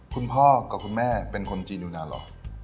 คุณพ่อกับคุณแม่เป็นคนจีนอยู่นานเหรอ